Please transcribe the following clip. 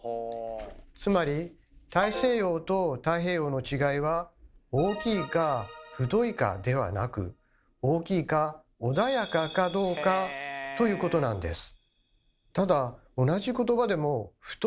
つまり大西洋と太平洋の違いは「大きい」か「太い」かではなく「大きい」か「穏やか」かどうかということなんです。